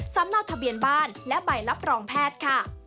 นอกทะเบียนบ้านและใบรับรองแพทย์ค่ะ